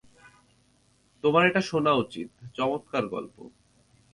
তোমার এটা শোনা উচিত, চমৎকার গল্প।